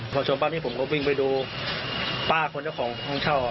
พอชนป้านี้ผมก็วิ่งไปดูป้าคนเจ้าของห้องเช่า